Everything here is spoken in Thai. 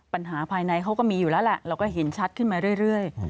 ปัญหาภายในเขาก็มีอยู่แล้วแหละเราก็เห็นชัดขึ้นมาเรื่อย